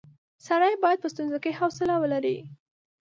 سړی باید په ستونزو کې حوصله ولري.